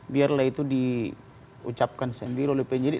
biarlah itu diucapkan sendiri oleh penyidik